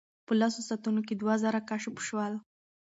په لسو ساعتونو کې دوه زره کشف شول.